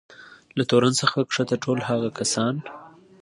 له تورن څخه کښته ټول هغه کسان.